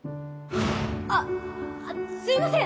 あっすいません！